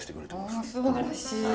すばらしい。